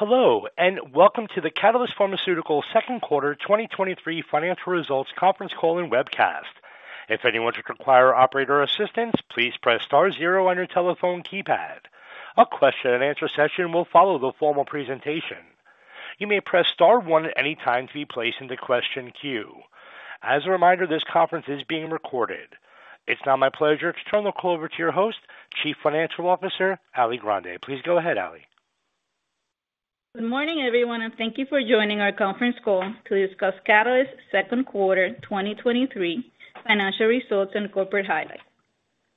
Hello, and welcome to the Catalyst Pharmaceuticals Second Quarter 2023 Financial Results Conference Call and Webcast. If anyone should require operator assistance, please press star zero on your telephone keypad. A Q&A session will follow the formal presentation. You may press star 1 at any time to be placed in the question queue. As a reminder, this conference is being recorded. It's now my pleasure to turn the call over to your host, Chief Financial Officer, Alicia Grande. Please go ahead, Ali. Good morning, everyone. Thank you for joining our conference call to discuss Catalyst's second quarter 2023 financial results and corporate highlights.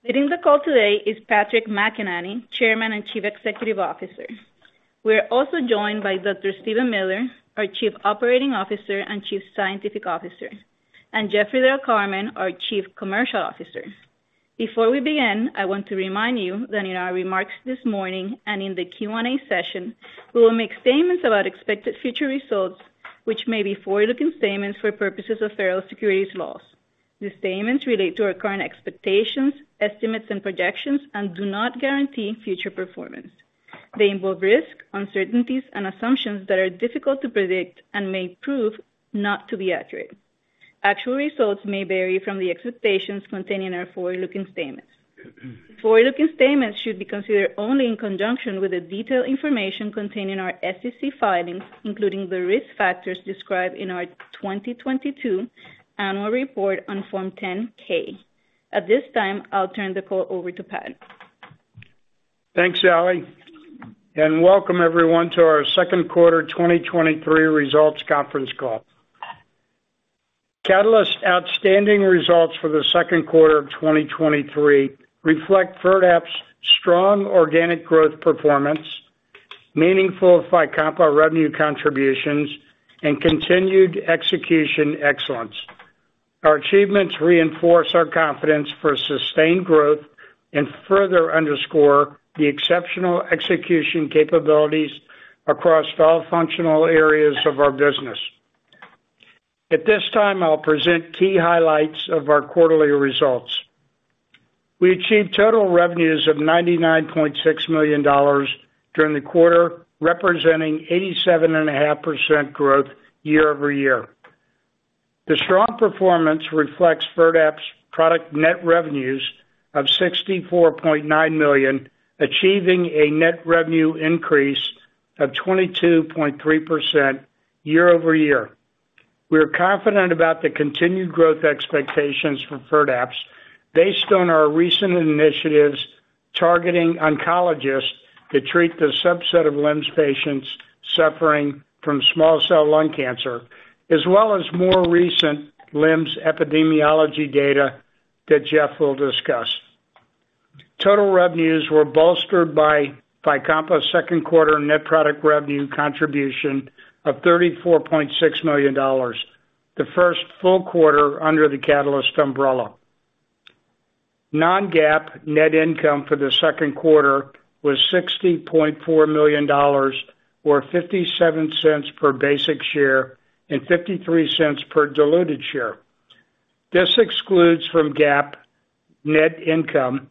Leading the call today is Patrick McEnany, Chairman and Chief Executive Officer. We are also joined by Dr. Steven R. Miller, our Chief Operating Officer and Chief Scientific Officer, and Jeffrey Del Carmen, our Chief Commercial Officer. Before we begin, I want to remind you that in our remarks this morning and in the Q&A session, we will make statements about expected future results, which may be forward-looking statements for purposes of federal securities laws. The statements relate to our current expectations, estimates, and projections and do not guarantee future performance. They involve risk, uncertainties, and assumptions that are difficult to predict and may prove not to be accurate. Actual results may vary from the expectations contained in our forward-looking statements. Forward-looking statements should be considered only in conjunction with the detailed information contained in our SEC filings, including the risk factors described in our 2022 annual report on Form 10-K. At this time, I'll turn the call over to Pat. Thanks, Alicia. Welcome everyone to our Second Quarter 2023 Results Conference Call. Catalyst's outstanding results for the second quarter of 2023 reflect FIRDAPSE's strong organic growth performance, meaningful FYCOMPA revenue contributions, and continued execution excellence. Our achievements reinforce our confidence for sustained growth and further underscore the exceptional execution capabilities across all functional areas of our business. At this time, I'll present key highlights of our quarterly results. We achieved total revenues of $99.6 million during the quarter, representing 87.5% growth year-over-year. The strong performance reflects FIRDAPSE product net revenues of $64.9 million, achieving a net revenue increase of 22.3% year-over-year. We are confident about the continued growth expectations for FIRDAPSE based on our recent initiatives targeting oncologists to treat the subset of LEMS patients suffering from small cell lung cancer, as well as more recent LEMS epidemiology data that Jeff will discuss. Total revenues were bolstered by FYCOMPA's second quarter net product revenue contribution of $34.6 million, the first full quarter under the Catalyst umbrella. Non-GAAP net income for the second quarter was $60.4 million, or $0.57 per basic share and $0.53 per diluted share. This excludes from GAAP net income,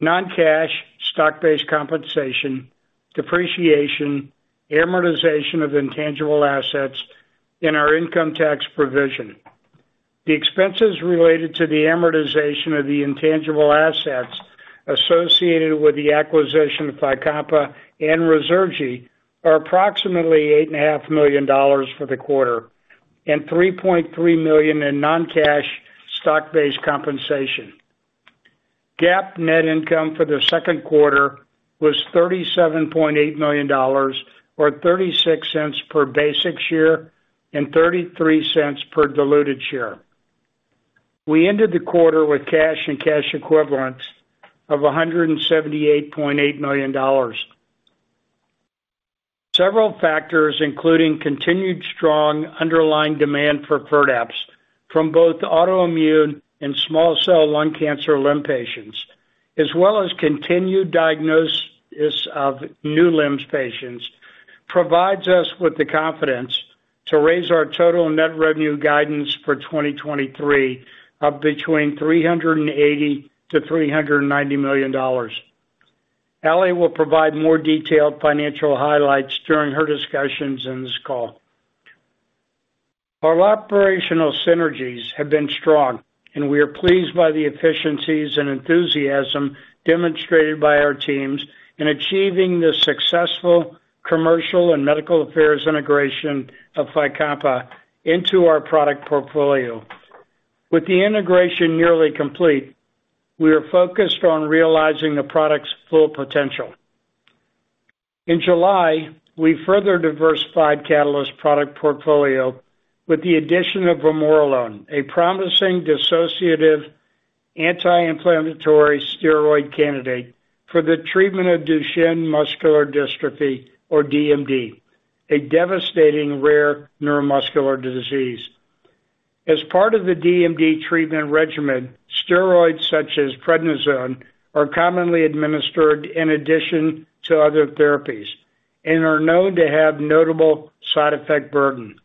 non-cash stock-based compensation, depreciation, amortization of intangible assets in our income tax provision. The expenses related to the amortization of the intangible assets associated with the acquisition of FYCOMPA and Ruzurgi are approximately $8.5 million for the quarter and $3.3 million in non-cash stock-based compensation. GAAP net income for the second quarter was $37.8 million, or $0.36 per basic share and $0.33 per diluted share. We ended the quarter with cash and cash equivalents of $178.8 million. Several factors, including continued strong underlying demand for FIRDAPSE from both autoimmune and small cell lung cancer LEMS patients, as well as continued diagnosis of new LEMS patients, provides us with the confidence to raise our total net revenue guidance for 2023 of between $380 million-$390 million. Ali will provide more detailed financial highlights during her discussions in this call. Our operational synergies have been strong, and we are pleased by the efficiencies and enthusiasm demonstrated by our teams in achieving the successful commercial and medical affairs integration of FYCOMPA into our product portfolio. With the integration nearly complete, we are focused on realizing the product's full potential. In July, we further diversified Catalyst's product portfolio with the addition of vamorolone, a promising dissociative anti-inflammatory steroid candidate for the treatment of Duchenne Muscular Dystrophy, or DMD, a devastating rare neuromuscular disease. As part of the DMD treatment regimen, steroids such as prednisone are commonly administered in addition to other therapies and are known to have notable side effect burden.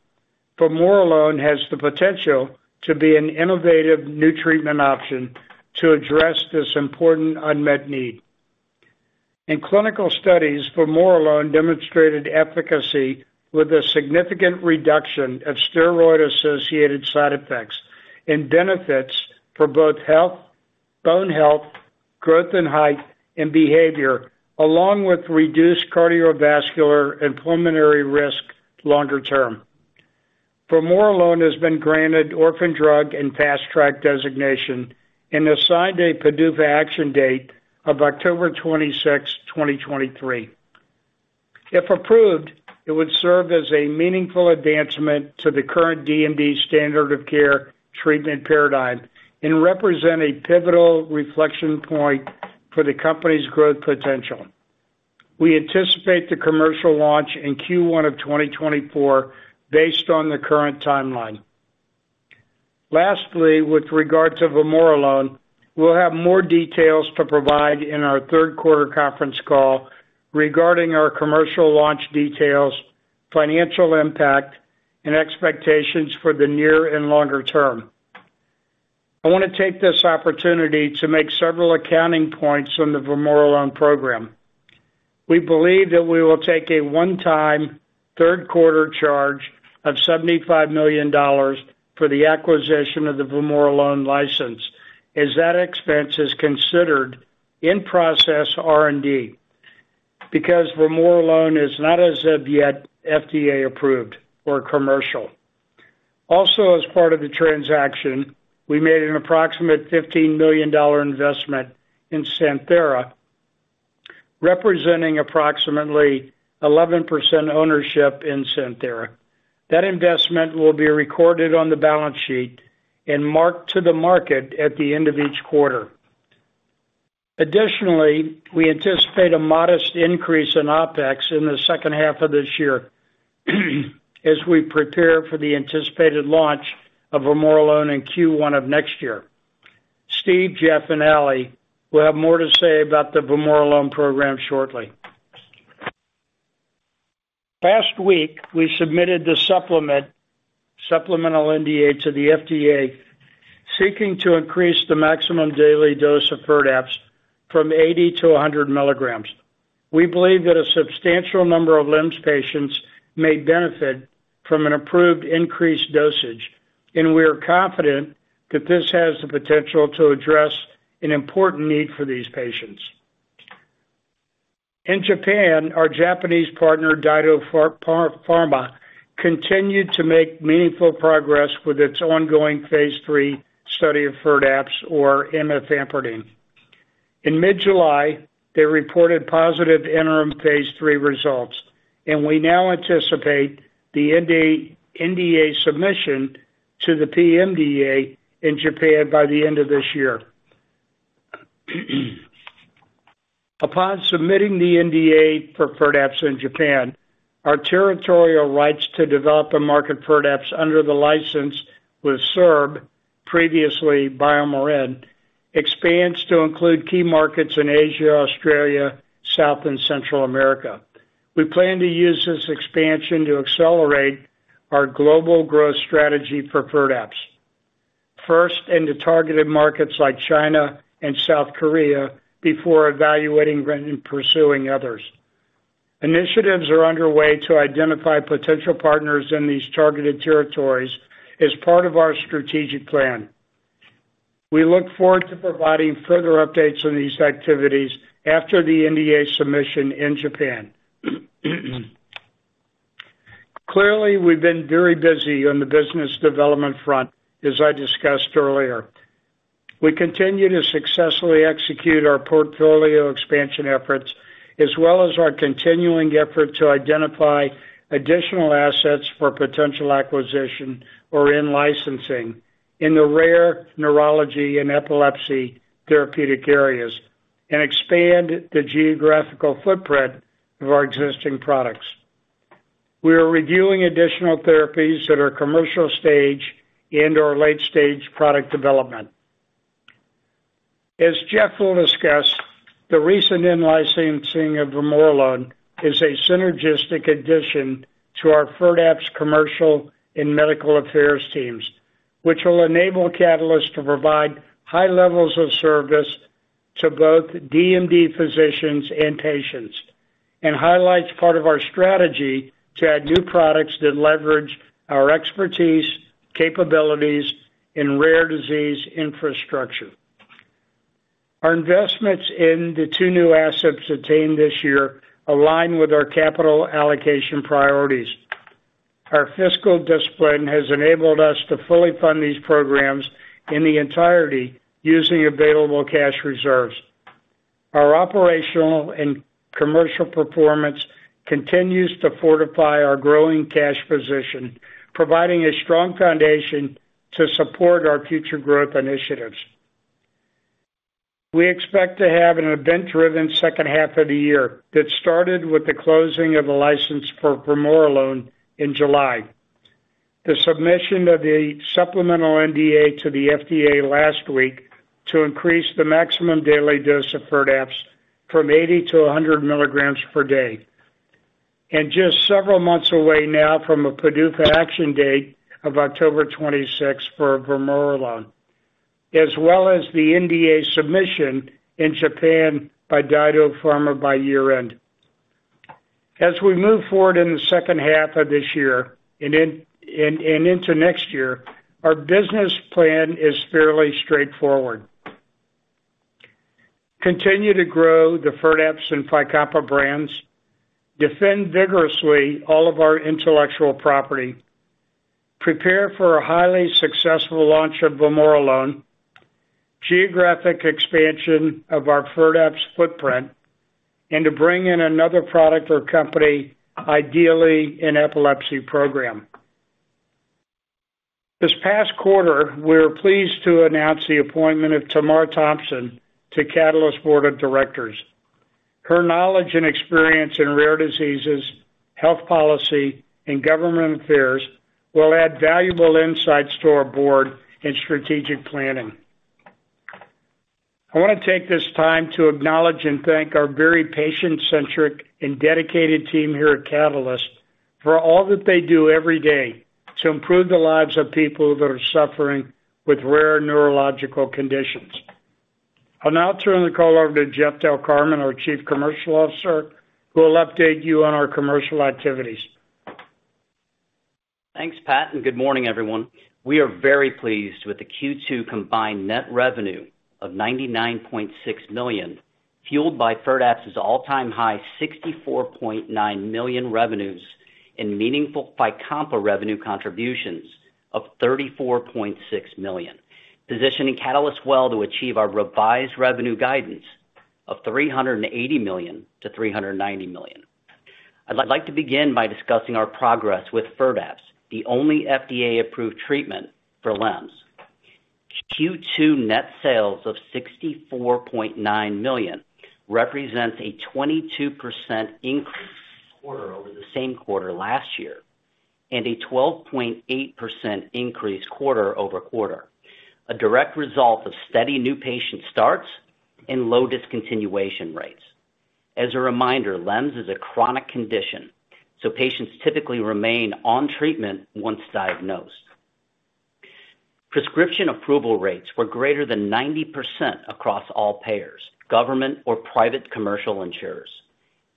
Vamorolone has the potential to be an innovative new treatment option to address this important unmet need. In clinical studies, vamorolone demonstrated efficacy with a significant reduction of steroid-associated side effects and benefits for both health, bone health, growth and height, and behavior, along with reduced cardiovascular and pulmonary risk longer term. Vamorolone has been granted orphan drug and fast track designation and assigned a PDUFA action date of October 26, 2023. If approved, it would serve as a meaningful advancement to the current DMD standard of care treatment paradigm and represent a pivotal reflection point for the company's growth potential. We anticipate the commercial launch in Q1 of 2024 based on the current timeline. Lastly, with regard to vamorolone, we'll have more details to provide in our third quarter conference call regarding our commercial launch details, financial impact, and expectations for the near and longer term. I want to take this opportunity to make several accounting points on the vamorolone program. We believe that we will take a one-time third quarter charge of $75 million for the acquisition of the vamorolone license, as that expense is considered in-process R&D, because vamorolone is not as of yet FDA approved or commercial. As part of the transaction, we made an approximate $15 million investment in Santhera, representing approximately 11% ownership in Santhera. That investment will be recorded on the balance sheet and marked to the market at the end of each quarter. Additionally, we anticipate a modest increase in OpEx in the second half of this year, as we prepare for the anticipated launch of Vamorolone in Q1 of next year. Steve, Jeff, and Ali will have more to say about the Vamorolone program shortly. Last week, we submitted the supplemental NDA to the FDA, seeking to increase the maximum daily dose of FIRDAPSE from 80 to 100 milligrams. We believe that a substantial number of LEMS patients may benefit from an approved increased dosage, and we are confident that this has the potential to address an important need for these patients. In Japan, our Japanese partner, DyDo Pharma, continued to make meaningful progress with its ongoing phase III study of FIRDAPSE or amifampridine. In mid-July, they reported positive interim phase III results. We now anticipate the NDA submission to the PMDA in Japan by the end of this year. Upon submitting the NDA for FIRDAPSE in Japan, our territorial rights to develop and market FIRDAPSE under the license with SERB, previously BioMarin, expands to include key markets in Asia, Australia, South and Central America. We plan to use this expansion to accelerate our global growth strategy for FIRDAPSE, first into targeted markets like China and South Korea, before evaluating and pursuing others. Initiatives are underway to identify potential partners in these targeted territories as part of our strategic plan. We look forward to providing further updates on these activities after the NDA submission in Japan. Clearly, we've been very busy on the business development front, as I discussed earlier. We continue to successfully execute our portfolio expansion efforts, as well as our continuing effort to identify additional assets for potential acquisition or in-licensing in the rare neurology and epilepsy therapeutic areas and expand the geographical footprint of our existing products. We are reviewing additional therapies that are commercial stage and/or late-stage product development. As Jeff will discuss, the recent in-licensing of Vamorolone is a synergistic addition to our FIRDAPSE commercial and medical affairs teams, which will enable Catalyst to provide high levels of service to both DMD physicians and patients, and highlights part of our strategy to add new products that leverage our expertise, capabilities, and rare disease infrastructure. Our investments in the two new assets attained this year align with our capital allocation priorities. Our fiscal discipline has enabled us to fully fund these programs in the entirety using available cash reserves. Our operational and commercial performance continues to fortify our growing cash position, providing a strong foundation to support our future growth initiatives. We expect to have an event-driven second half of the year that started with the closing of the license for vamorolone in July. The submission of the supplemental NDA to the FDA last week to increase the maximum daily dose of FIRDAPSE from 80-100 milligrams per day. Just several months away now from a PDUFA action date of October 26 for vamorolone, as well as the NDA submission in Japan by DyDo Pharma by year-end. As we move forward in the second half of this year and into next year, our business plan is fairly straightforward. Continue to grow the FIRDAPSE and FYCOMPA brands, defend vigorously all of our intellectual property, prepare for a highly successful launch of vamorolone, geographic expansion of our FIRDAPSE footprint, and to bring in another product or company, ideally, an epilepsy program. This past quarter, we're pleased to announce the appointment of Tamar Thompson to Catalyst Board of Directors. Her knowledge and experience in rare diseases, health policy, and government affairs will add valuable insights to our board and strategic planning. I wanna take this time to acknowledge and thank our very patient-centric and dedicated team here at Catalyst for all that they do every day to improve the lives of people that are suffering with rare neurological conditions. I'll now turn the call over to Jeff Del Carmen, our Chief Commercial Officer, who will update you on our commercial activities. Thanks, Pat. Good morning, everyone. We are very pleased with the Q2 combined net revenue of $99.6 million, fueled by FIRDAPSE's all-time high $64.9 million revenues and meaningful FYCOMPA revenue contributions of $34.6 million, positioning Catalyst well to achieve our revised revenue guidance of $380 million-$390 million. I'd like to begin by discussing our progress with FIRDAPSE, the only FDA-approved treatment for LEMS. Q2 net sales of $64.9 million represents a 22% increase quarter over the same quarter last year, a 12.8% increase quarter-over-quarter. A direct result of steady new patient starts and low discontinuation rates. As a reminder, LEMS is a chronic condition, patients typically remain on treatment once diagnosed. Prescription approval rates were greater than 90% across all payers, government or private commercial insurers.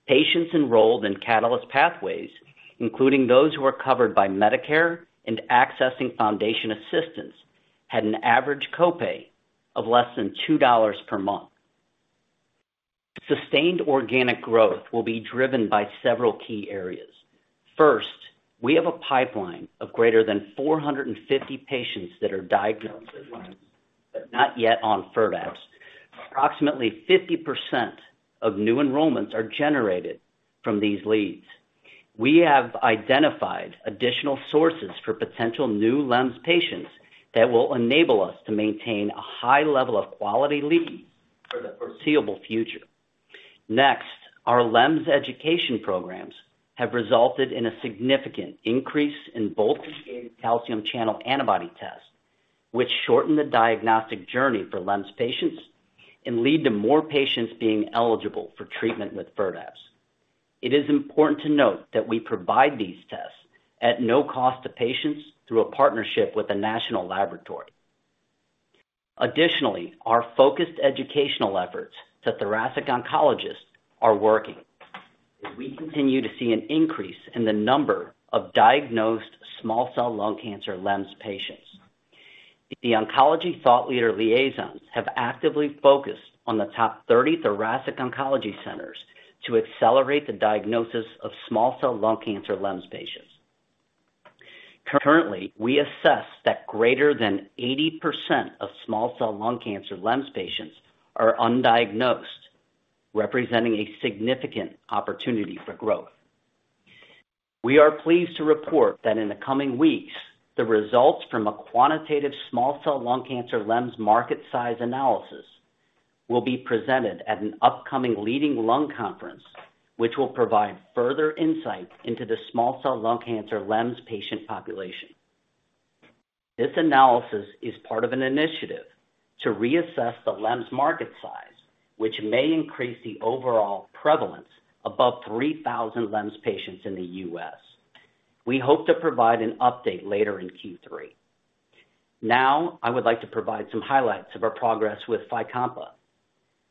Patients enrolled in Catalyst Pathways, including those who are covered by Medicare and accessing foundation assistance, had an average copay of less than $2 per month. Sustained organic growth will be driven by several key areas. First, we have a pipeline of greater than 450 patients that are diagnosed with LEMS, but not yet on FIRDAPSE. Approximately 50% of new enrollments are generated from these leads. We have identified additional sources for potential new LEMS patients that will enable us to maintain a high level of quality lead for the foreseeable future. Next, our LEMS education programs have resulted in a significant increase in both calcium channel antibody tests, which shorten the diagnostic journey for LEMS patients and lead to more patients being eligible for treatment with FIRDAPSE. It is important to note that we provide these tests at no cost to patients through a partnership with a national laboratory. Additionally, our focused educational efforts to thoracic oncologists are working. We continue to see an increase in the number of diagnosed small cell lung cancer LEMS patients. The oncology thought leader liaisons have actively focused on the top 30 thoracic oncology centers to accelerate the diagnosis of small cell lung cancer LEMS patients. Currently, we assess that greater than 80% of small cell lung cancer LEMS patients are undiagnosed, representing a significant opportunity for growth. We are pleased to report that in the coming weeks, the results from a quantitative small cell lung cancer LEMS market size analysis will be presented at an upcoming leading lung conference, which will provide further insight into the small cell lung cancer LEMS patient population. This analysis is part of an initiative to reassess the LEMS market size, which may increase the overall prevalence above 3,000 LEMS patients in the U.S. We hope to provide an update later in Q3. Now, I would like to provide some highlights of our progress with FYCOMPA.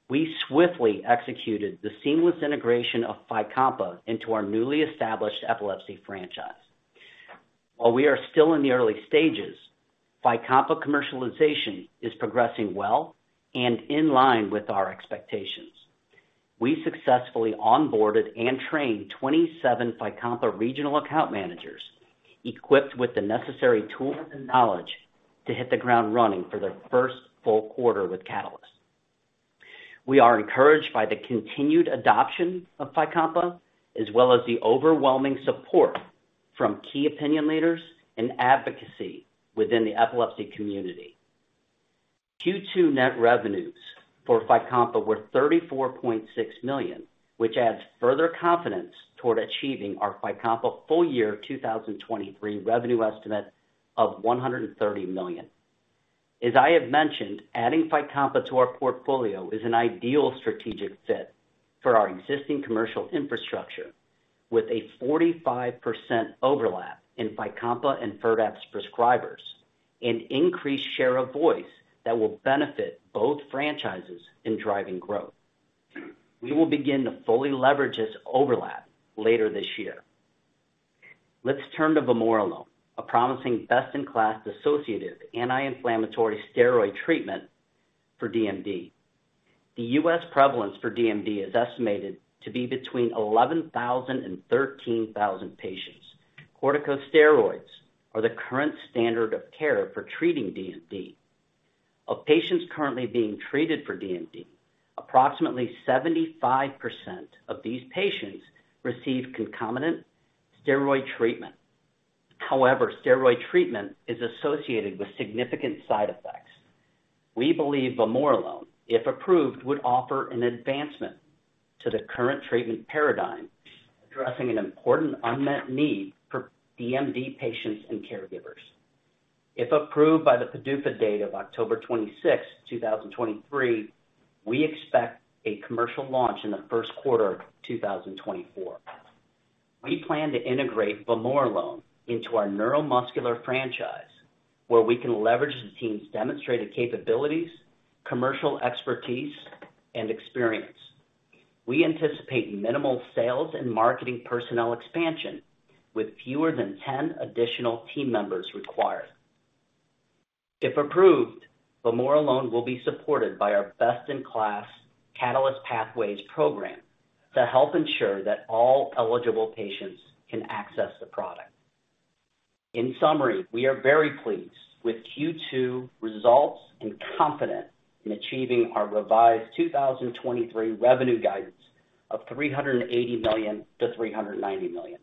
We swiftly executed the seamless integration of FYCOMPA into our newly established epilepsy franchise. While we are still in the early stages, FYCOMPA commercialization is progressing well and in line with our expectations. We successfully onboarded and trained 27 FYCOMPA regional account managers, equipped with the necessary tools and knowledge to hit the ground running for their first full quarter with Catalyst. We are encouraged by the continued adoption of FYCOMPA, as well as the overwhelming support from key opinion leaders and advocacy within the epilepsy community. Q2 net revenues for FYCOMPA were $34.6 million, which adds further confidence toward achieving our FYCOMPA full year 2023 revenue estimate of $130 million. As I have mentioned, adding FYCOMPA to our portfolio is an ideal strategic fit for our existing commercial infrastructure, with a 45% overlap in FYCOMPA and FIRDAPSE prescribers and increased share of voice that will benefit both franchises in driving growth. We will begin to fully leverage this overlap later this year. Let's turn to vamorolone, a promising best-in-class dissociative anti-inflammatory steroid treatment for DMD. The U.S. prevalence for DMD is estimated to be between 11,000 and 13,000 patients. Corticosteroids are the current standard of care for treating DMD. Of patients currently being treated for DMD, approximately 75% of these patients receive concomitant steroid treatment. However, steroid treatment is associated with significant side effects. We believe vamorolone, if approved, would offer an advancement to the current treatment paradigm, addressing an important unmet need for DMD patients and caregivers. If approved by the PDUFA date of October 26th, 2023, we expect a commercial launch in the first quarter of 2024. We plan to integrate vamorolone into our neuromuscular franchise, where we can leverage the team's demonstrated capabilities, commercial expertise, and experience. We anticipate minimal sales and marketing personnel expansion, with fewer than 10 additional team members required. If approved, vamorolone will be supported by our best-in-class Catalyst Pathways program to help ensure that all eligible patients can access the product. In summary, we are very pleased with Q2 results and confident in achieving our revised 2023 revenue guidance of $380 million-$390 million.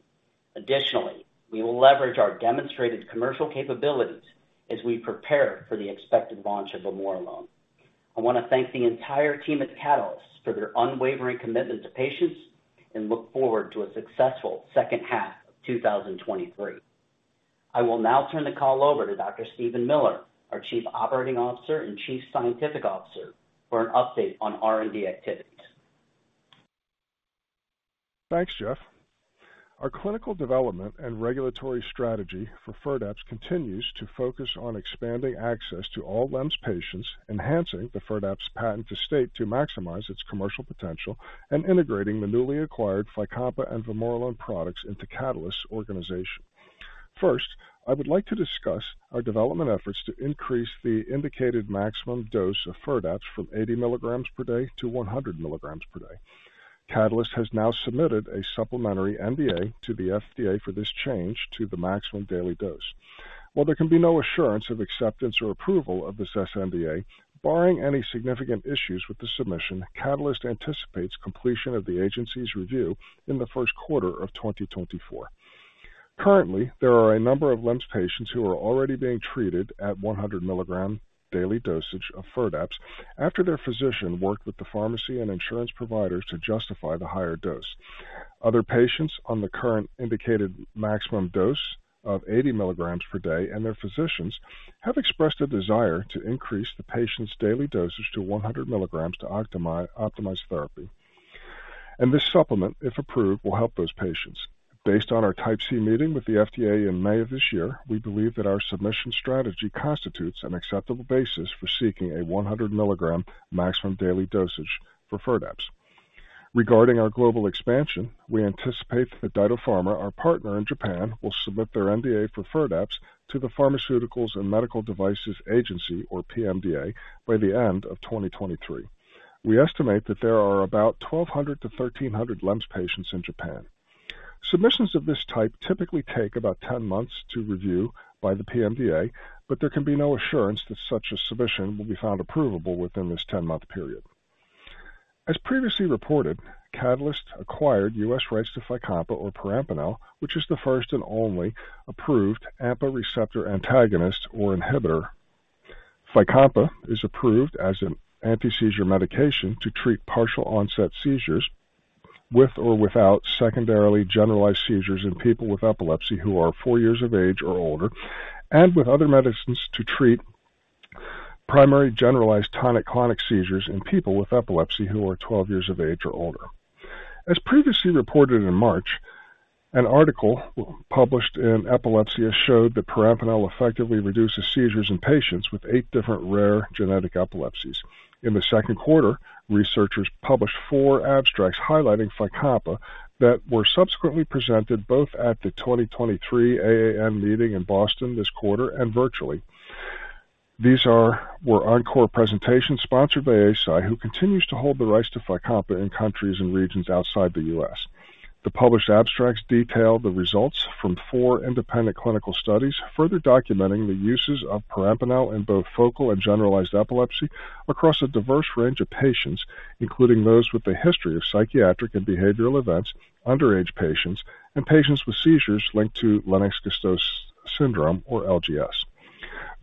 Additionally, we will leverage our demonstrated commercial capabilities as we prepare for the expected launch of vamorolone. I want to thank the entire team at Catalyst for their unwavering commitment to patients and look forward to a successful second half of 2023. I will now turn the call over to Dr. Steven Miller, our Chief Operating Officer and Chief Scientific Officer, for an update on R&D activities. Thanks, Jeff. Our clinical development and regulatory strategy for FIRDAPSE continues to focus on expanding access to all LEMS patients, enhancing the FIRDAPSE patent estate to maximize its commercial potential, and integrating the newly acquired FYCOMPA and vamorolone products into Catalyst's organization. First, I would like to discuss our development efforts to increase the indicated maximum dose of FIRDAPSE from 80 milligrams per day to 100 milligrams per day. Catalyst has now submitted a supplemental NDA to the FDA for this change to the maximum daily dose. While there can be no assurance of acceptance or approval of this sNDA, barring any significant issues with the submission, Catalyst anticipates completion of the agency's review in the first quarter of 2024. Currently, there are a number of LEMS patients who are already being treated at 100 milligram daily dosage of FIRDAPSE after their physician worked with the pharmacy and insurance providers to justify the higher dose. Other patients on the current indicated maximum dose of 80 milligrams per day, and their physicians, have expressed a desire to increase the patient's daily dosage to 100 milligrams to optimize, optimize therapy. This supplement, if approved, will help those patients. Based on our Type C meeting with the FDA in May of this year, we believe that our submission strategy constitutes an acceptable basis for seeking a 100 milligram maximum daily dosage for FIRDAPSE. Regarding our global expansion, we anticipate that DyDo Pharma, our partner in Japan, will submit their NDA for FIRDAPSE to the Pharmaceuticals and Medical Devices Agency, or PMDA, by the end of 2023. We estimate that there are about 1,200 to 1,300 LEMS patients in Japan. Submissions of this type typically take about 10 months to review by the PMDA, but there can be no assurance that such a submission will be found approvable within this 10-month period. As previously reported, Catalyst acquired U.S. rights to FYCOMPA or perampanel, which is the first and only approved AMPA receptor antagonist or inhibitor. FYCOMPA is approved as an antiseizure medication to treat partial onset seizures, with or without secondarily generalized seizures in people with epilepsy who are 4 years of age or older, and with other medicines to treat primary generalized tonic-clonic seizures in people with epilepsy who are 12 years of age or older. As previously reported in March, an article published in Epilepsia showed that perampanel effectively reduces seizures in patients with eight different rare genetic epilepsies. In the second quarter, researchers published four abstracts highlighting FYCOMPA that were subsequently presented both at the 2023 AAN meeting in Boston this quarter and virtually. These were encore presentations sponsored by Eisai, who continues to hold the rights to FYCOMPA in countries and regions outside the U.S. The published abstracts detail the results from four independent clinical studies, further documenting the uses of perampanel in both focal and generalized epilepsy across a diverse range of patients, including those with a history of psychiatric and behavioral events, underage patients, and patients with seizures linked to Lennox-Gastaut Syndrome or LGS.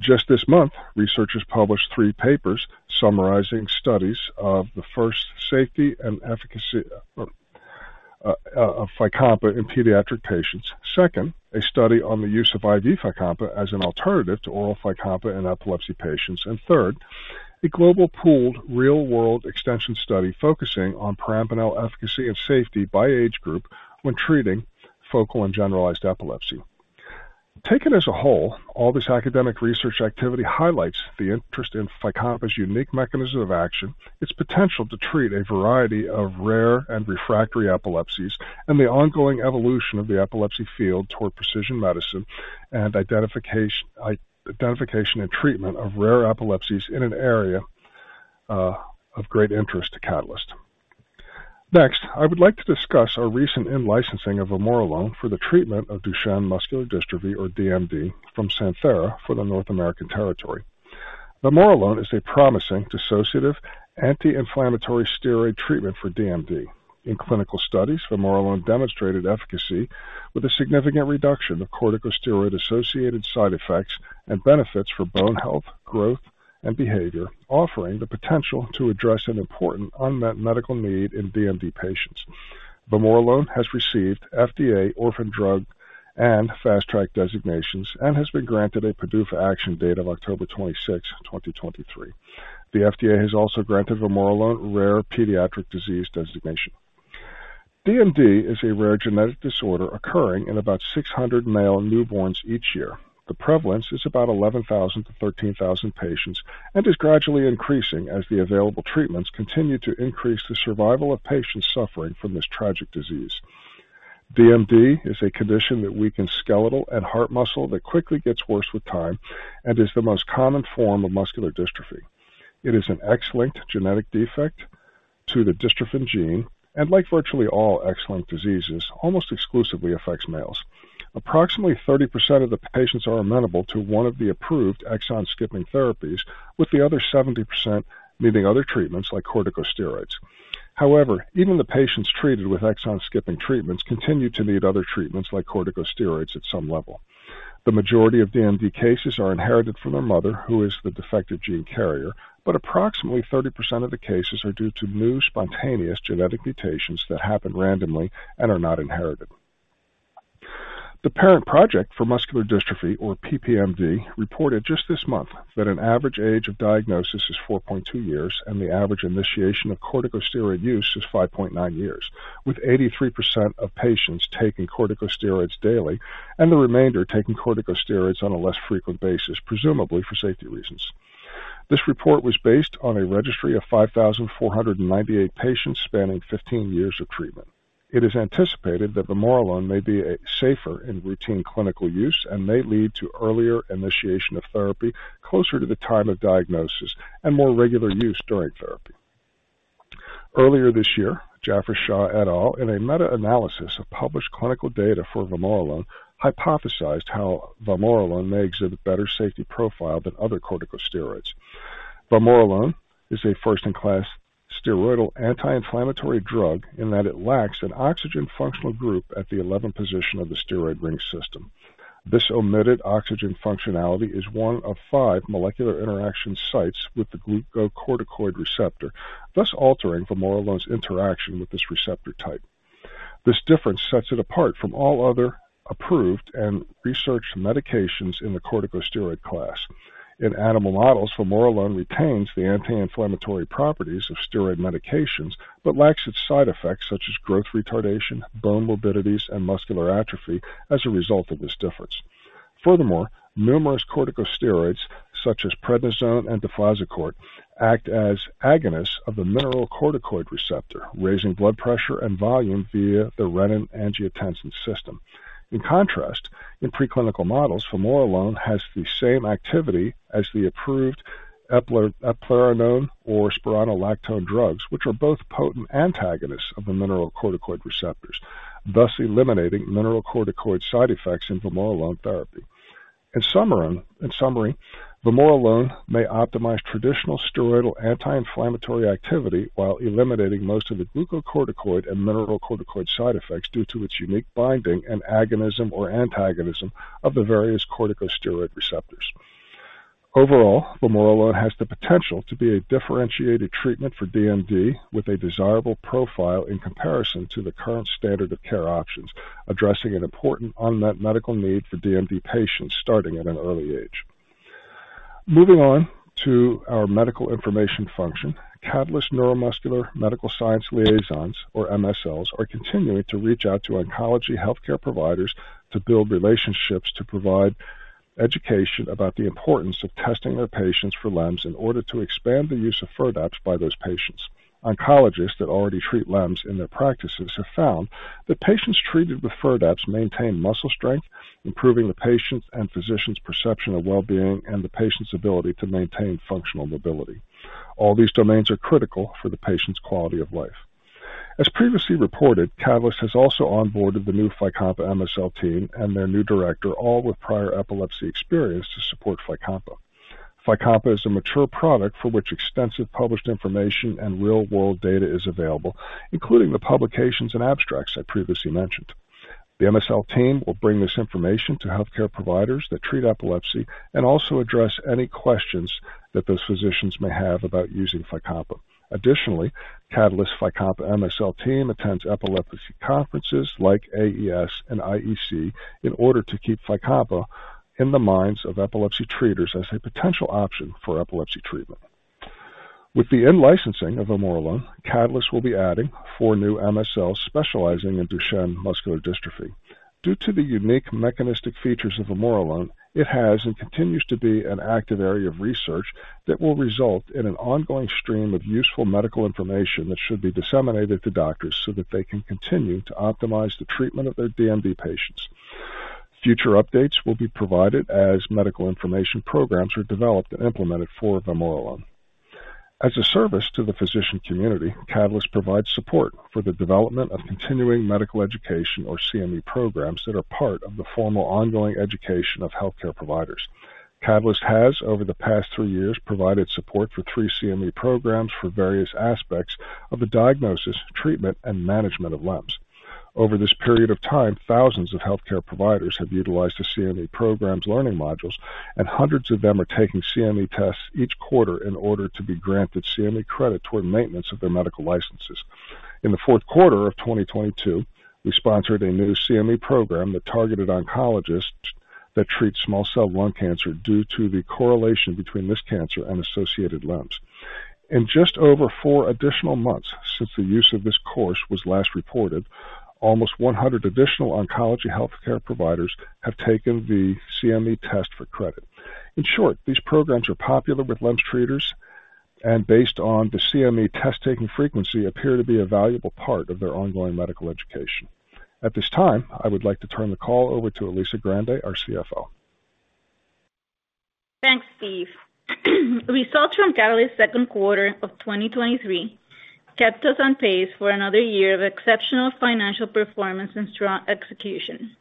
Just this month, researchers published 3 papers summarizing studies of the first safety and efficacy of FYCOMPA in pediatric patients. Second, a study on the use of IV FYCOMPA as an alternative to oral FYCOMPA in epilepsy patients. Third, a global pooled real-world extension study focusing on perampanel efficacy and safety by age group when treating focal and generalized epilepsy. Taken as a whole, all this academic research activity highlights the interest in FYCOMPA's unique mechanism of action, its potential to treat a variety of rare and refractory epilepsies, and the ongoing evolution of the epilepsy field toward precision medicine and identification and treatment of rare epilepsies in an area of great interest to Catalyst. Next, I would like to discuss our recent in-licensing of vamorolone for the treatment of Duchenne Muscular Dystrophy, or DMD, from Santhera for the North American territory. Vamorolone is a promising dissociative anti-inflammatory steroid treatment for DMD. In clinical studies, vamorolone demonstrated efficacy with a significant reduction of corticosteroid-associated side effects and benefits for bone health, growth, and behavior, offering the potential to address an important unmet medical need in DMD patients. Vamorolone has received FDA orphan drug and fast track designations and has been granted a PDUFA action date of October 26th, 2023. The FDA has also granted vamorolone Rare Pediatric Disease Designation. DMD is a rare genetic disorder occurring in about 600 male newborns each year. The prevalence is about 11,000-13,000 patients and is gradually increasing as the available treatments continue to increase the survival of patients suffering from this tragic disease. DMD is a condition that weakens skeletal and heart muscle that quickly gets worse with time and is the most common form of Muscular Dystrophy. It is an X-linked genetic defect to the dystrophin gene, and like virtually all X-linked diseases, almost exclusively affects males. Approximately 30% of the patients are amenable to one of the approved exon-skipping therapies, with the other 70% needing other treatments like corticosteroids. However, even the patients treated with exon-skipping treatments continue to need other treatments, like corticosteroids at some level. The majority of DMD cases are inherited from their mother, who is the defective gene carrier, but approximately 30% of the cases are due to new spontaneous genetic mutations that happen randomly and are not inherited. The Parent Project Muscular Dystrophy, or PPMD, reported just this month that an average age of diagnosis is 4.2 years, and the average initiation of corticosteroid use is 5.9 years, with 83% of patients taking corticosteroids daily and the remainder taking corticosteroids on a less frequent basis, presumably for safety reasons. This report was based on a registry of 5,498 patients spanning 15 years of treatment. It is anticipated that vamorolone may be safer in routine clinical use and may lead to earlier initiation of therapy closer to the time of diagnosis and more regular use during therapy. Earlier this year, Jaffer Shah et al., in a meta-analysis of published clinical data for vamorolone, hypothesized how vamorolone may exhibit better safety profile than other corticosteroids. Vamorolone is a first-in-class steroidal anti-inflammatory drug in that it lacks an oxygen functional group at the 11th position of the steroid ring system. This omitted oxygen functionality is one of five molecular interaction sites with the glucocorticoid receptor, thus altering vamorolone's interaction with this receptor type. This difference sets it apart from all other approved and researched medications in the corticosteroid class. In animal models, vamorolone retains the anti-inflammatory properties of steroid medications, but lacks its side effects, such as growth retardation, bone morbidities, and muscular atrophy as a result of this difference. Furthermore, numerous corticosteroids, such as prednisone and deflazacort, act as agonists of the mineralocorticoid receptor, raising blood pressure and volume via the renin-angiotensin system. In contrast, in preclinical models, vamorolone has the same activity as the approved eplerenone or spironolactone drugs, which are both potent antagonists of the mineralocorticoid receptors, thus eliminating mineralocorticoid side effects in vamorolone therapy. In summary, vamorolone may optimize traditional steroidal anti-inflammatory activity while eliminating most of the glucocorticoid and mineralocorticoid side effects due to its unique binding and agonism or antagonism of the various corticosteroid receptors. Overall, vamorolone has the potential to be a differentiated treatment for DMD, with a desirable profile in comparison to the current standard of care options, addressing an important unmet medical need for DMD patients, starting at an early age. Moving on to our medical information function, Catalyst Neuromuscular Medical Science Liaisons, or MSLs, are continuing to reach out to oncology healthcare providers to build relationships to provide education about the importance of testing their patients for LEMS in order to expand the use of FIRDAPSE by those patients. Oncologists that already treat LEMS in their practices have found that patients treated with FIRDAPSE maintain muscle strength, improving the patient and physician's perception of well-being and the patient's ability to maintain functional mobility. All these domains are critical for the patient's quality of life. As previously reported, Catalyst has also onboarded the new FYCOMPA MSL team and their new director, all with prior epilepsy experience to support FYCOMPA. FYCOMPA is a mature product for which extensive published information and real-world data is available, including the publications and abstracts I previously mentioned. The MSL team will bring this information to healthcare providers that treat epilepsy and also address any questions that those physicians may have about using FYCOMPA. Additionally, Catalyst FYCOMPA MSL team attends epilepsy conferences like AES and IEC in order to keep FYCOMPA in the minds of epilepsy treaters as a potential option for epilepsy treatment. With the in-licensing of vamorolone, Catalyst will be adding four new MSLs specializing in Duchenne Muscular Dystrophy. Due to the unique mechanistic features of vamorolone, it has and continues to be an active area of research that will result in an ongoing stream of useful medical information that should be disseminated to doctors, so that they can continue to optimize the treatment of their DMD patients. Future updates will be provided as medical information programs are developed and implemented for vamorolone. As a service to the physician community, Catalyst provides support for the development of continuing medical education, or CME programs, that are part of the formal, ongoing education of healthcare providers. Catalyst has, over the past three years, provided support for three CME programs for various aspects of the diagnosis, treatment, and management of LEMS. Over this period of time, thousands of healthcare providers have utilized the CME program's learning modules, and hundreds of them are taking CME tests each quarter in order to be granted CME credit toward maintenance of their medical licenses. In the fourth quarter of 2022, we sponsored a new CME program that targeted oncologists that treat small cell lung cancer due to the correlation between this cancer and associated LEMS. In just over four additional months since the use of this course was last reported, almost 100 additional oncology healthcare providers have taken the CME test for credit. In short, these programs are popular with LEMS treaters and based on the CME test-taking frequency, appear to be a valuable part of their ongoing medical education. At this time, I would like to turn the call over to Alicia Grande, our CFO. Thanks, Steve. Results from Catalyst's second quarter of 2023 kept us on pace for another year of exceptional financial performance and strong execution.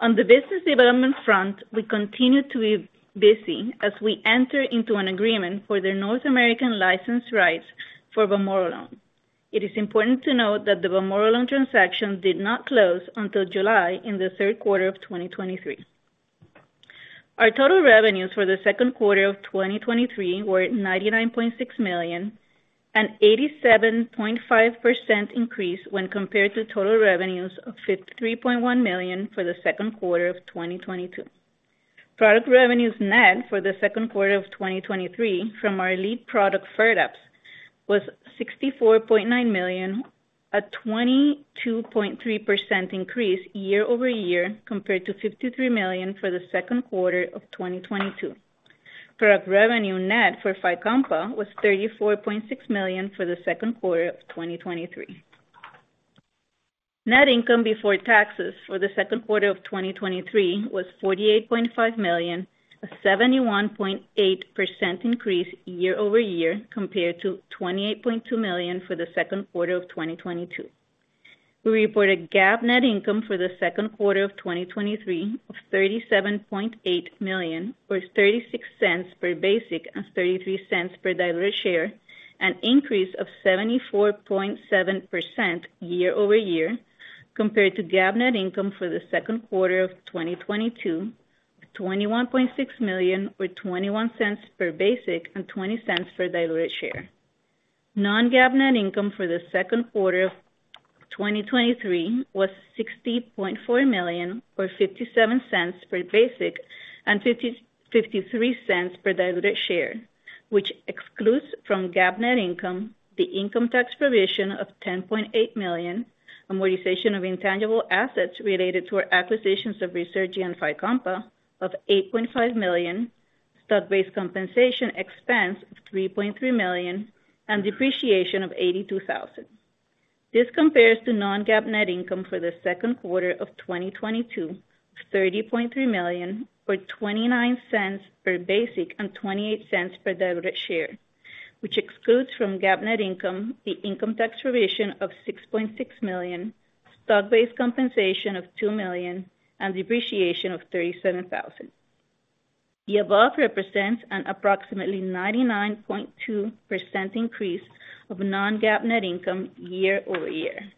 On the business development front, we continued to be busy as we entered into an agreement for the North American license rights for vamorolone. It is important to note that the vamorolone transaction did not close until July, in the third quarter of 2023. Our total revenues for the second quarter of 2023 were $99.6 million, an 87.5% increase when compared to total revenues of $53.1 million for the second quarter of 2022. Product revenues net for the second quarter of 2023 from our lead product, FIRDAPSE, was $64.9 million, a 22.3% increase year-over-year, compared to $53 million for the second quarter of 2022. Product revenue net for FYCOMPA was $34.6 million for the second quarter of 2023. Net income before taxes for the second quarter of 2023 was $48.5 million, a 71.8% increase year-over-year, compared to $28.2 million for the second quarter of 2022. We reported GAAP net income for the second quarter of 2023 of $37.8 million, or $0.36 per basic and $0.33 per diluted share, an increase of 74.7% year-over-year compared to GAAP net income for the second quarter of 2022, $21.6 million, or $0.21 per basic and $0.20 per diluted share. Non-GAAP net income for the second quarter of 2023 was $60.4 million, or $0.57 per basic and $0.53 per diluted share, which excludes from GAAP net income the income tax provision of $10.8 million, amortization of intangible assets related to our acquisitions of Ruzurgi and FYCOMPA of $8.5 million, stock-based compensation expense of $3.3 million, and depreciation of $82,000. This compares to non-GAAP net income for the second quarter of 2022, of $30.3 million, or $0.29 per basic and $0.28 per diluted share, which excludes from GAAP net income the income tax provision of $6.6 million, stock-based compensation of $2 million, and depreciation of $37,000. The above represents an approximately 99.2% increase of non-GAAP net income year-over-year.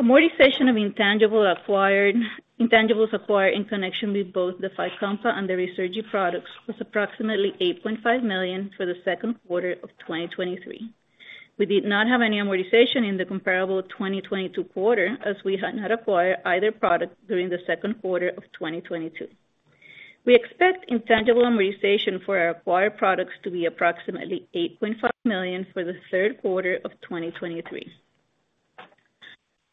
Amortization of intangibles acquired in connection with both the FYCOMPA and the Ruzurgi products was approximately $8.5 million for the second quarter of 2023. We did not have any amortization in the comparable 2022 quarter, as we had not acquired either product during the second quarter of 2022. We expect intangible amortization for our acquired products to be approximately $8.5 million for the third quarter of 2023.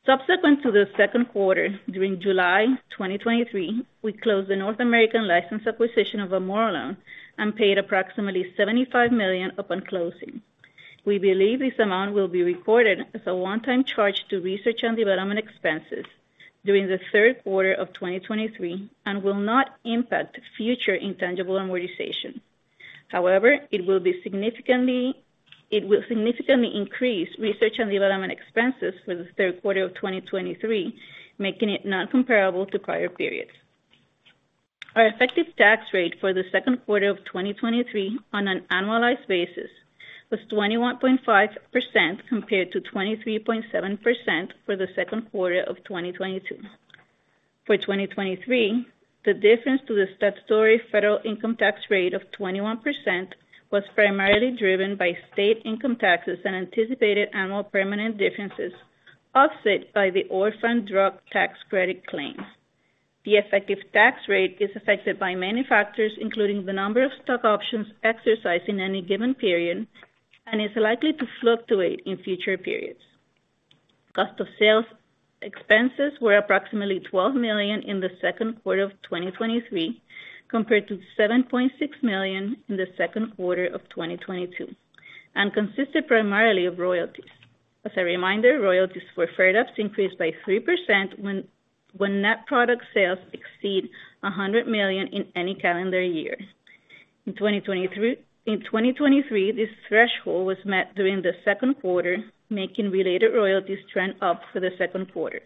Subsequent to the second quarter, during July 2023, we closed the North American license acquisition of vamorolone and paid approximately $75 million upon closing. We believe this amount will be recorded as a one-time charge to research and development expenses during the third quarter of 2023 and will not impact future intangible amortization. However, it will significantly increase research and development expenses for the third quarter of 2023, making it not comparable to prior periods. Our effective tax rate for the second quarter of 2023 on an annualized basis was 21.5%, compared to 23.7% for the second quarter of 2022. For 2023, the difference to the statutory federal income tax rate of 21% was primarily driven by state income taxes and anticipated annual permanent differences, offset by the Orphan Drug Tax Credit claim. The effective tax rate is affected by many factors, including the number of stock options exercised in any given period, and is likely to fluctuate in future periods. Cost of sales expenses were approximately $12 million in the second quarter of 2023, compared to $7.6 million in the second quarter of 2022, consisted primarily of royalties. As a reminder, royalties for FIRDAPSE increased by 3% when net product sales exceed $100 million in any calendar year. In 2023, this threshold was met during the second quarter, making related royalties trend up for the second quarter.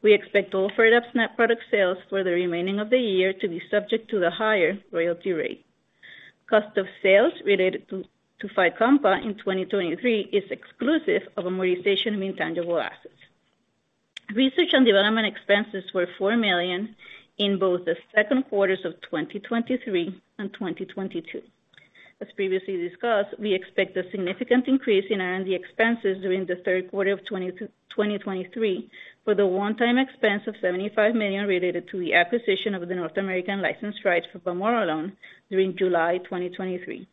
We expect all FIRDAPSE net product sales for the remaining of the year to be subject to the higher royalty rate. Cost of sales related to FYCOMPA in 2023 is exclusive of amortization of intangible assets. Research and development expenses were $4 million in both the second quarters of 2023 and 2022. As previously discussed, we expect a significant increase in R&D expenses during the third quarter of 2023, for the one-time expense of $75 million related to the acquisition of the North American licensed rights for vamorolone during July 2023.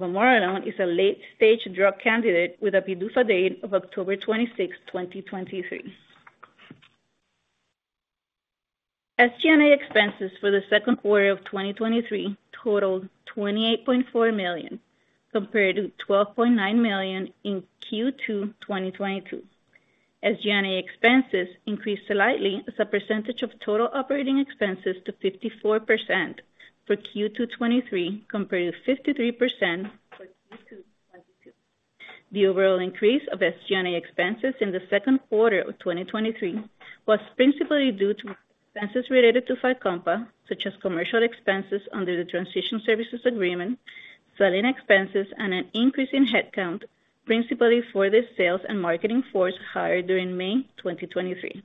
Vamorolone is a late-stage drug candidate with a PDUFA date of October 26, 2023. SG&A expenses for the second quarter of 2023 totaled $28.4 million, compared to $12.9 million in Q2 2022. SG&A expenses increased slightly as a percentage of total operating expenses to 54% for Q2 2023, compared to 53% for Q2 2022. The overall increase of SG&A expenses in the second quarter of 2023 was principally due to expenses related to FYCOMPA, such as commercial expenses under the Transition Services Agreement, selling expenses, and an increase in headcount, principally for the sales and marketing force hired during May 2023.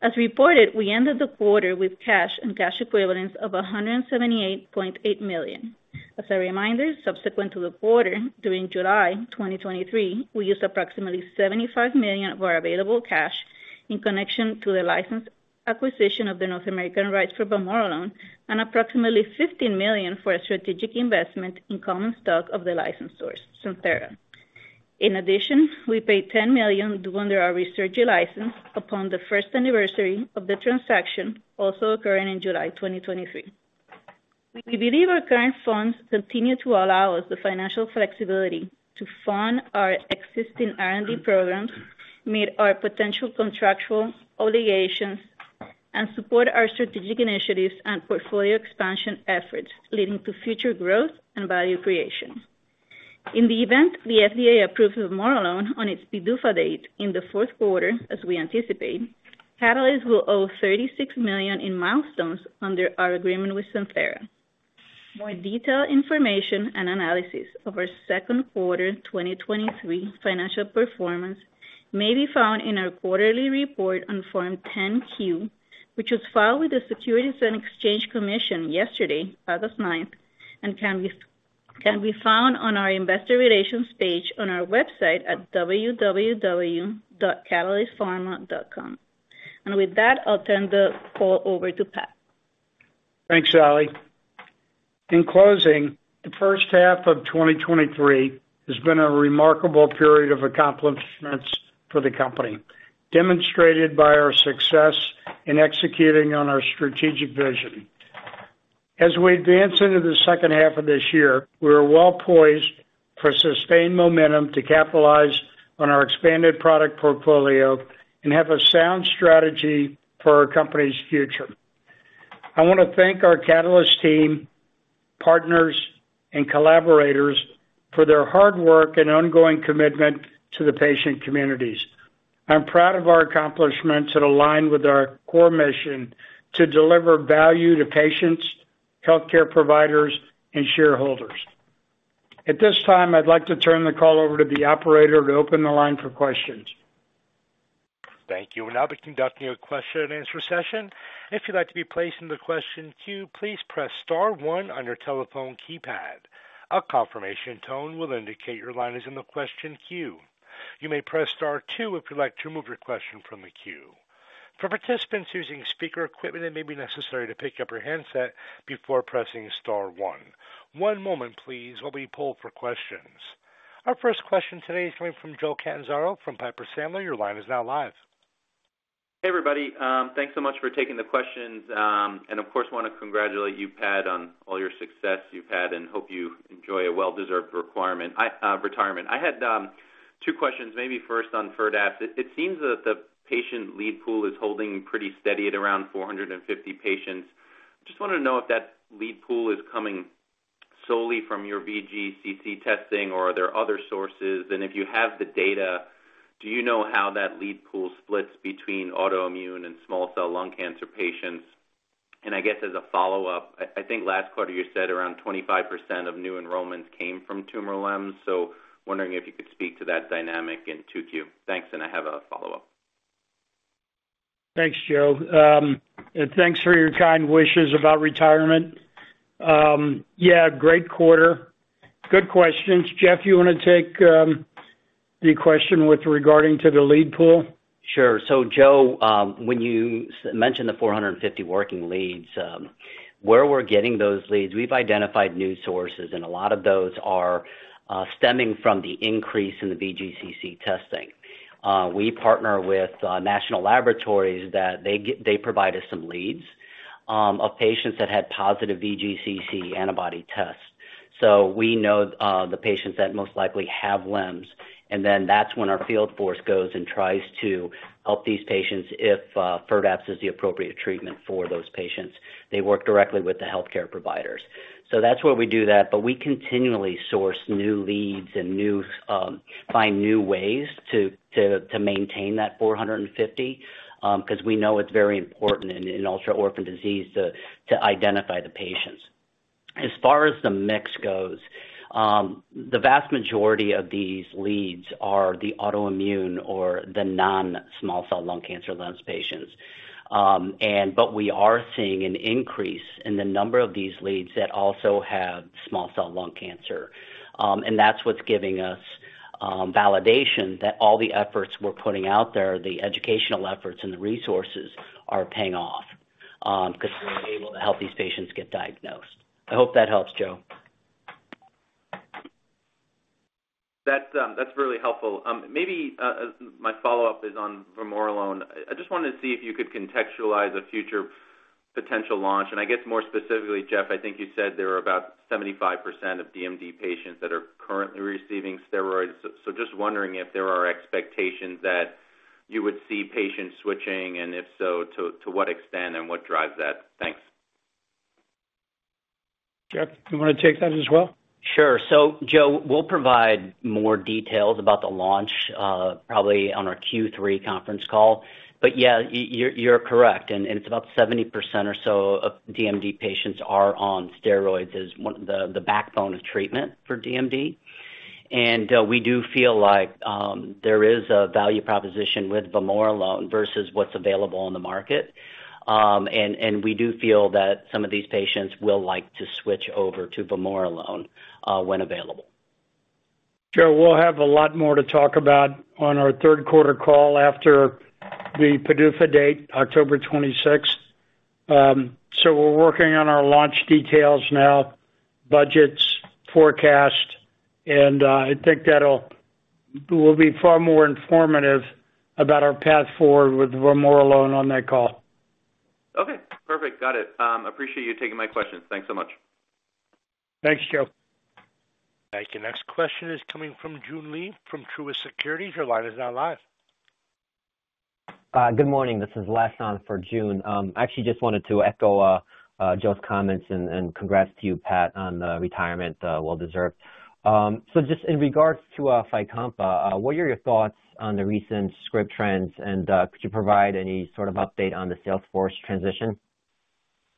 As reported, we ended the quarter with cash and cash equivalents of $178.8 million. As a reminder, subsequent to the quarter, during July 2023, we used approximately $75 million of our available cash in connection to the license acquisition of the North American rights for vamorolone and approximately $15 million for a strategic investment in common stock of the license source, Santhera. In addition, we paid $10 million to under our research license upon the first anniversary of the transaction, also occurring in July 2023. We believe our current funds continue to allow us the financial flexibility to fund our existing R&D programs, meet our potential contractual obligations, and support our strategic initiatives and portfolio expansion efforts, leading to future growth and value creation. In the event the FDA approves vamorolone on its PDUFA date in the fourth quarter, as we anticipate, Catalyst will owe $36 million in milestones under our agreement with Santhera. More detailed information and analysis of our second quarter 2023 financial performance may be found in our quarterly report on Form 10-Q, which was filed with the Securities and Exchange Commission yesterday, August 9th, and can be, can be found on our Investor Relations page on our website at www.catalystpharma.com. With that, I'll turn the call over to Pat. Thanks, Alicia. In closing, the first half of 2023 has been a remarkable period of accomplishments for the company, demonstrated by our success in executing on our strategic vision. As we advance into the second half of this year, we are well poised for sustained momentum to capitalize on our expanded product portfolio and have a sound strategy for our company's future. I want to thank our Catalyst team, partners, and collaborators for their hard work and ongoing commitment to the patient communities. I'm proud of our accomplishments that align with our core mission to deliver value to patients, healthcare providers, and shareholders. At this time, I'd like to turn the call over to the operator to open the line for questions. Thank you. We'll now be conducting a Q&A session. If you'd like to be placed in the question queue, please press star one on your telephone keypad. A confirmation tone will indicate your line is in the question queue. You may press star two if you'd like to remove your question from the queue. For participants using speaker equipment, it may be necessary to pick up your handset before pressing star one. One moment please, while we pull for questions. Our first question today is coming from Joseph Catanzaro from Piper Sandler. Your line is now live. Hey, everybody. Thanks so much for taking the questions. Of course, want to congratulate you, Pat, on all your success you've had, and hope you enjoy a well-deserved retirement. I had two questions, maybe first on FIRDAPSE. It seems that the patient lead pool is holding pretty steady at around 450 patients. Just wanted to know if that lead pool is coming solely from your VGCC testing or are there other sources? If you have the data, do you know how that lead pool splits between autoimmune and small cell lung cancer patients? I guess as a follow-up, I think last quarter you said around 25% of new enrollments came from tumor LEMS. Wondering if you could speak to that dynamic in 2Q. Thanks, and I have a follow-up. Thanks, Joe. Thanks for your kind wishes about retirement. Yeah, great quarter. Good questions. Jeff, you wanna take, the question with regarding to the lead pool? Sure. Joe, when you mentioned the 450 working leads, where we're getting those leads, we've identified new sources, and a lot of those are stemming from the increase in the VGCC testing. We partner with national laboratories that they provide us some leads of patients that had positive VGCC antibody tests. We know the patients that most likely have LEMS, and then that's when our field force goes and tries to help these patients if FIRDAPSE is the appropriate treatment for those patients. They work directly with the healthcare providers. That's where we do that, but we continually source new leads and new find new ways to maintain that 450, 'cause we know it's very important in ultra-orphan disease to identify the patients. As far as the mix goes, the vast majority of these leads are the autoimmune or the non-small cell lung cancer LEMS patients. We are seeing an increase in the number of these leads that also have small cell lung cancer. That's what's giving us validation that all the efforts we're putting out there, the educational efforts and the resources are paying off, 'cause we're able to help these patients get diagnosed. I hope that helps, Joe. That's, that's really helpful. Maybe, my follow-up is on vamorolone. I just wanted to see if you could contextualize a future potential launch, I guess more specifically, Jeff, I think you said there were about 75% of DMD patients that are currently receiving steroids. Just wondering if there are expectations that you would see patients switching, and if so, to what extent and what drives that? Thanks. Jeff, you wanna take that as well? Sure. Joe, we'll provide more details about the launch, probably on our Q3 conference call. Yeah, you're correct, and it's about 70% or so of DMD patients are on steroids, is one, the backbone of treatment for DMD. We do feel like there is a value proposition with vamorolone versus what's available on the market. We do feel that some of these patients will like to switch over to vamorolone when available. Joe, we'll have a lot more to talk about on our third quarter call after the PDUFA date, October 26th. We're working on our launch details now, budgets, forecast, and, we'll be far more informative about our path forward with vamorolone on that call. Okay, perfect. Got it. Appreciate you taking my questions. Thanks so much. Thanks, Joe. Thank you. Next question is coming from Joon Lee from Truist Securities. Your line is now live. Good morning. This is Les Chan for Joon Lee. I actually just wanted to echo Joe Catanzaro's comments and congrats to you, Patrick McEnany, on the retirement. Well deserved. Just in regards to FYCOMPA, what are your thoughts on the recent script trends? Could you provide any sort of update on the sales force transition?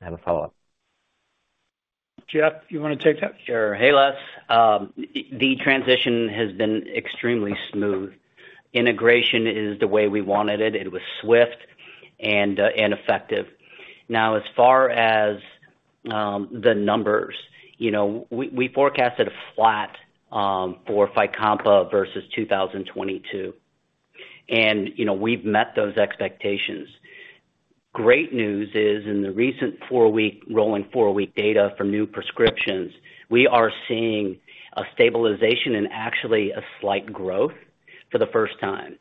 I have a follow-up. Jeff, you wanna take that? Sure. Hey, Lee. The transition has been extremely smooth. Integration is the way we wanted it. It was swift and effective. Now, as far as the numbers, you know, we, we forecasted a flat for FYCOMPA versus 2022. You know, we've met those expectations. Great news is, in the recent four-week, rolling four-week data for new prescriptions, we are seeing a stabilization and actually a slight growth for the first time.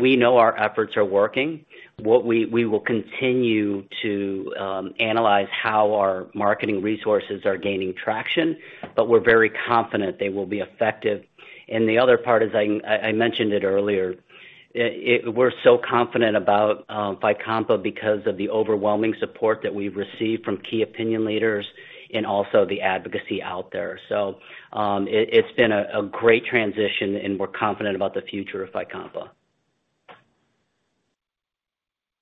We know our efforts are working. We will continue to analyze how our marketing resources are gaining traction, but we're very confident they will be effective. The other part, as I mentioned it earlier, we're so confident about FYCOMPA because of the overwhelming support that we've received from key opinion leaders and also the advocacy out there. It, it's been a, a great transition, and we're confident about the future of FYCOMPA.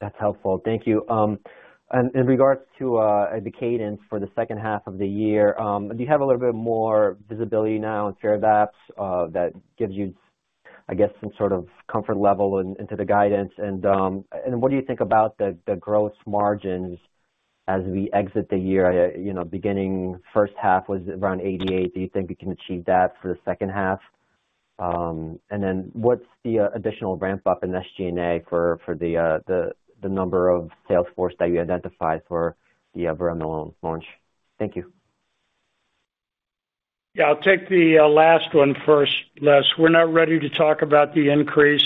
That's helpful. Thank you. In regards to the cadence for the second half of the year, do you have a little bit more visibility now in FIRDAPSE that gives you, I guess, some sort of comfort level into the guidance? What do you think about the growth margins as we exit the year? You know, beginning first half was around 88%. Do you think we can achieve that for the second half? Then what's the additional ramp-up in SG&A for the number of sales force that you identified for the vamorolone launch? Thank you. Yeah, I'll take the last one first, Lee. We're not ready to talk about the increase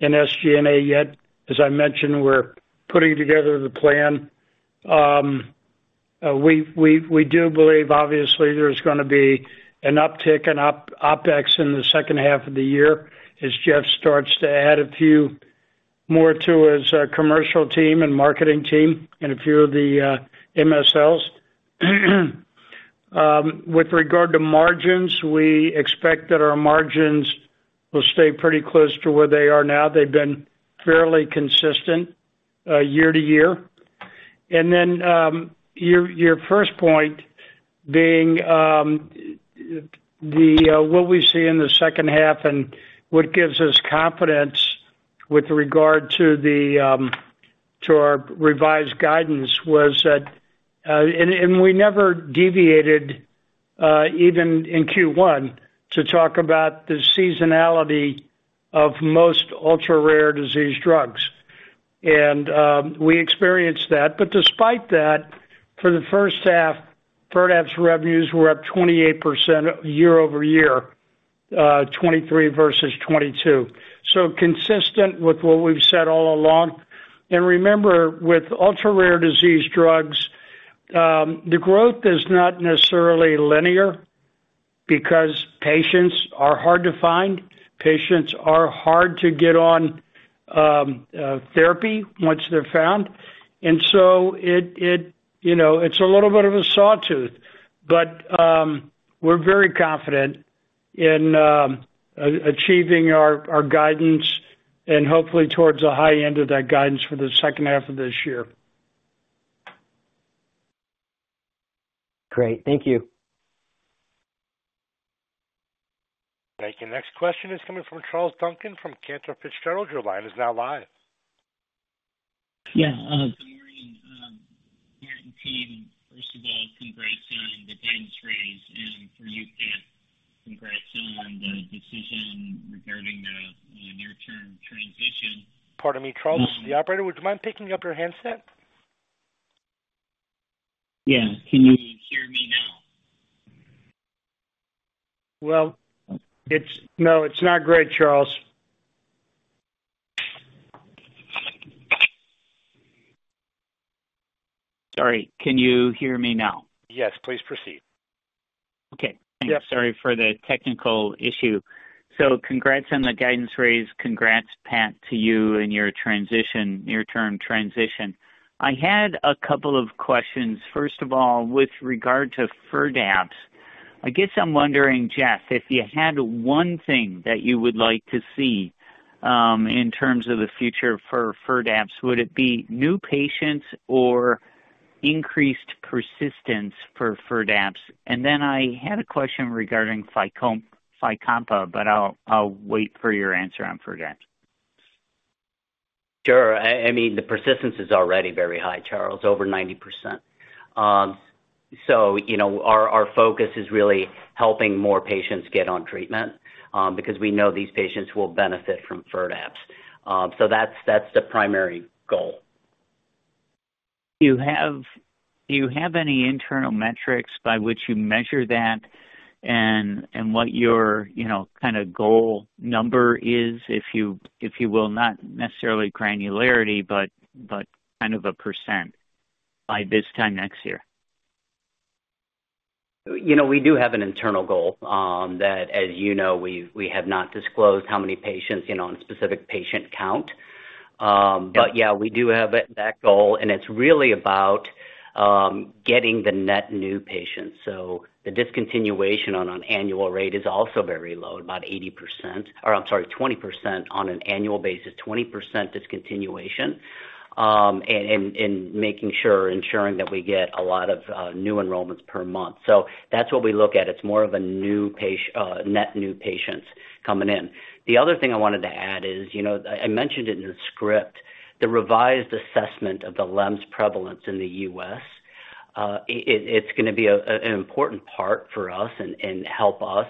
in SG&A yet. As I mentioned, we're putting together the plan. We do believe, obviously, there's gonna be an uptick in OpEx in the second half of the year as Jeff starts to add a few more to his commercial team and marketing team and a few of the MSLs. With regard to margins, we expect that our margins will stay pretty close to where they are now. They've been fairly consistent year-to-year. Then, your first point being, the, what we see in the second half and what gives us confidence with regard to the, to our revised guidance was that... We never deviated, even in Q1, to talk about the seasonality of most ultra-rare disease drugs. We experienced that. Despite that, for the first half, FIRDAPSE revenues were up 28% year-over-year, 2023 versus 2022. Consistent with what we've said all along. Remember, with ultra-rare disease drugs, the growth is not necessarily linear because patients are hard to find. Patients are hard to get on, therapy once they're found. It, it, you know, it's a little bit of a saw-tooth, but we're very confident in achieving our, our guidance and hopefully towards the high end of that guidance for the second half of this year. Great. Thank you. Thank you. Next question is coming from Charles Duncan from Cantor Fitzgerald. Your line is now live. Yeah, good morning, Garrett and team. First of all, congrats on the guidance raise, and for you, Pat, congrats on the decision regarding the near-term transition. Pardon me, Charles. The operator, would you mind picking up your handset? Yeah. Can you hear me now? Well, no, it's not great, Charles. Sorry. Can you hear me now? Yes, please proceed. Okay. Yes. Sorry for the technical issue. Congrats on the guidance raise. Congrats, Pat, to you and your transition, near-term transition. I had a couple of questions. First of all, with regard to FIRDAPSE, I guess I'm wondering, Jeff, if you had one thing that you would like to see, in terms of the future for FIRDAPSE, would it be new patients or increased persistence for FIRDAPSE? Then I had a question regarding FYCOMPA, but I'll, I'll wait for your answer on FIRDAPSE. Sure. I mean, the persistence is already very high, Charles, over 90%. You know, our focus is really helping more patients get on treatment, because we know these patients will benefit from FIRDAPSE. That's, that's the primary goal. Do you have any internal metrics by which you measure that and what your, you know, kinda goal number is, if you will, not necessarily granularity, but kind of a % by this time next year? You know, we do have an internal goal, that, as you know, we've-- we have not disclosed how many patients, you know, on specific patient count. Yeah, we do have that goal, and it's really about getting the net new patients. The discontinuation on an annual rate is also very low, about 80%, or I'm sorry, 20% on an annual basis, 20% discontinuation, and making sure ensuring that we get a lot of new enrollments per month. That's what we look at. It's more of a new patients coming in. The other thing I wanted to add is, you know, I, I mentioned it in the script, the revised assessment of the LEMS prevalence in the U.S., it, it's gonna be a, an important part for us and, and help us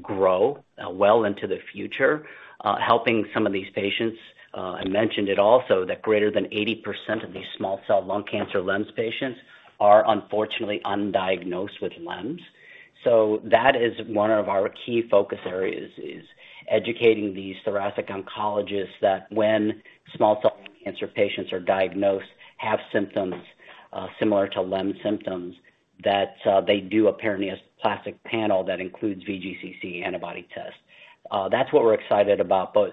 grow, well into the future, helping some of these patients. I mentioned it also, that greater than 80% of these small cell lung cancer LEMS patients are unfortunately undiagnosed with LEMS. So that is one of our key focus areas, is educating these thoracic oncologists that when small cell cancer patients are diagnosed, have symptoms, similar to LEMS symptoms, that, they do a paraneoplastic panel that includes VGCC antibody test. That's what we're excited about, but,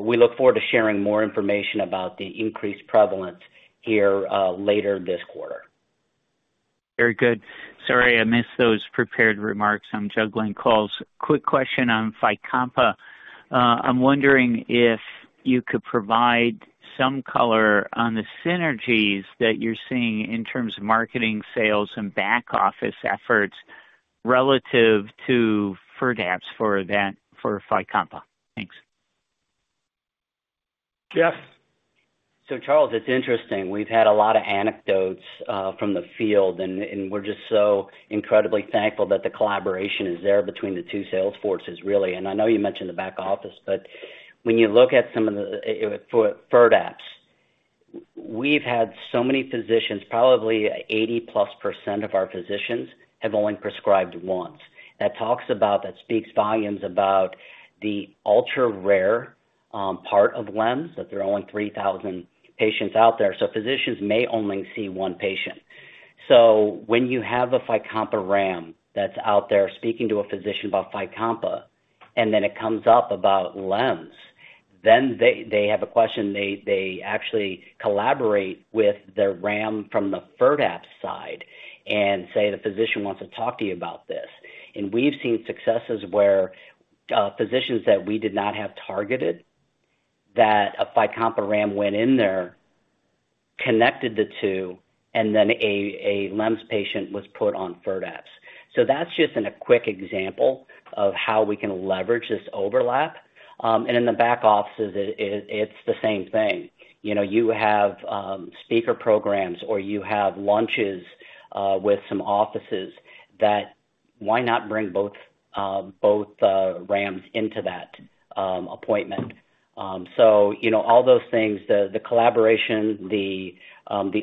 we look forward to sharing more information about the increased prevalence here, later this quarter. Very good. Sorry, I missed those prepared remarks. I'm juggling calls. Quick question on FYCOMPA. I'm wondering if you could provide some color on the synergies that you're seeing in terms of marketing, sales, and back office efforts relative to FIRDAPSE for FYCOMPA? Thanks. Jeff? Charles, it's interesting. We've had a lot of anecdotes from the field, and we're just so incredibly thankful that the collaboration is there between the two sales forces, really. I know you mentioned the back office, but when you look at some of the FIRDAPSE, we've had so many physicians, probably 80%+ of our physicians have only prescribed once. That talks about, that speaks volumes about the ultra-rare part of LEMS, that there are only 3,000 patients out there. When you have a FYCOMPA RAM that's out there speaking to a physician about FYCOMPA, and then it comes up about LEMS, then they have a question. They, they actually collaborate with their RAM from the FIRDAPSE side and say, "The physician wants to talk to you about this." We've seen successes where physicians that we did not have targeted, that a FYCOMPA RAM went in there, connected the two, and then a, a LEMS patient was put on FIRDAPSE. That's just in a quick example of how we can leverage this overlap. In the back offices it's the same thing. You know, you have speaker programs or you have lunches with some offices that why not bring both, both RAMs into that appointment? You know, all those things, the, the collaboration, the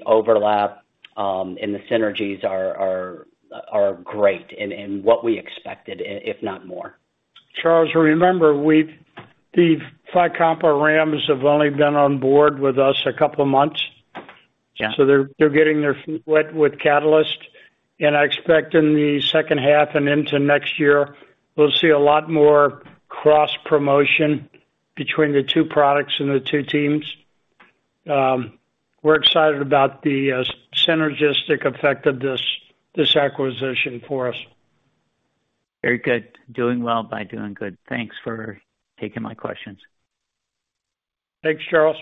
overlap, and the synergies are great and, and what we expected, if not more. Charles, remember, the FYCOMPA RAMs have only been on board with us a couple of months. Yeah. They're, they're getting their feet wet with Catalyst, and I expect in the second half and into next year, we'll see a lot more cross-promotion between the two products and the two teams. We're excited about the synergistic effect of this, this acquisition for us. Very good. Doing well by doing good. Thanks for taking my questions. Thanks, Charles.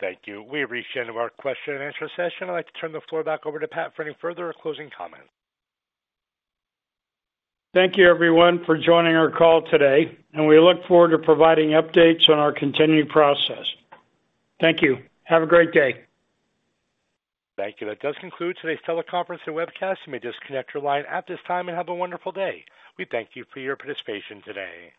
Thank you. We've reached the end of our Q&A session. I'd like to turn the floor back over to Pat for any further closing comments. Thank you, everyone, for joining our call today. We look forward to providing updates on our continuing process. Thank you. Have a great day. Thank you. That does conclude today's teleconference and webcast. You may disconnect your line at this time and have a wonderful day. We thank you for your participation today.